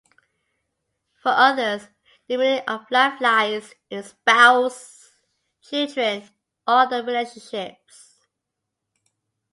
For others, the meaning of life lies in their spouses, children, or other relationships.